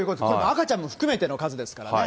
赤ちゃんも含めての数ですからね。